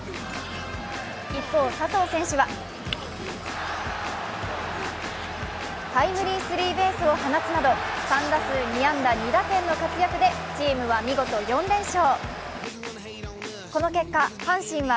一方、佐藤選手はタイムリースリーベースを放つなど、３打数２安打２打点の活躍でチームは見事４連勝。